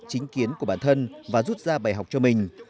chính kiến của bản thân và rút ra bài học cho mình